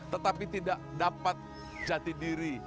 tetapi tidak dapat jati diri